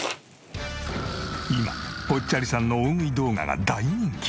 今ぽっちゃりさんの大食い動画が大人気！